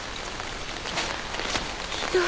ひどい。